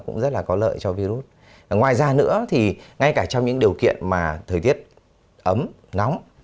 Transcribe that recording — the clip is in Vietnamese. ngoài ra nữa thì ngay cả trong những điều kiện mà thời tiết ấm nóng